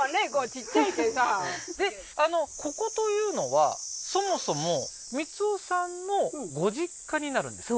小っちゃいけんさでここというのはそもそも光夫さんのご実家になるんですか？